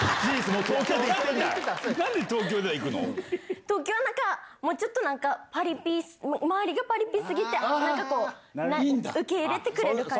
東京、なんか、もうちょっとなんか、パリピ、周りがパリピすぎて、青森だと受け入れてくれる感じ。